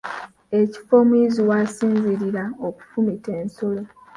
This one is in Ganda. Ekifo omuyizzi wasinziirira okufumita ensolo.